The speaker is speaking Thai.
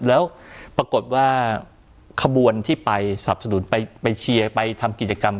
แล้วปรากฏว่าขบวนที่ไปสับสนุนไปเชียร์ไปทำกิจกรรม